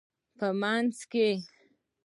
په مینځ کې